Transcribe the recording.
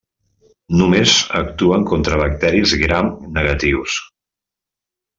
Només actuen contra bacteris gram negatius.